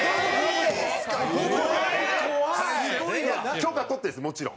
許可取ってるんです、もちろん。